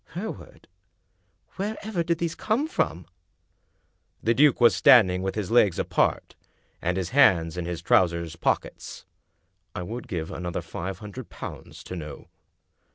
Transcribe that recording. "Here ward! Wherever did these come from?" The duke was standing with his legs apart, and his hands in his trousers pockets. " I would give — I would give another five hundred pounds to know.